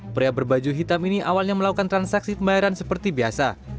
pria berbaju hitam ini awalnya melakukan transaksi pembayaran seperti biasa